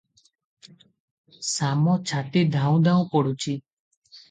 ଶାମ ଛାତି ଦାଉଁ ଦାଉଁ ପଡୁଛି ।